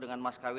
kau balik lagi